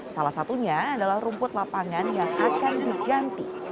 salah satunya adalah rumput lapangan yang akan diganti